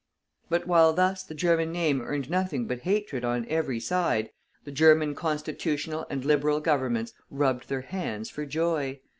But while thus the German name earned nothing but hatred on every side, the German Constitutional and Liberal Governments rubbed their hands for joy.